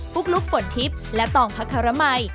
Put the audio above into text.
ฟุกลุกฝนทริปและต่องพระคารมัย